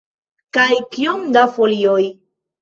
Kaj kiom da folioj?